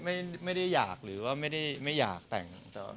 เฉยไม่ได้อยากหรือไม่อยากแต่ง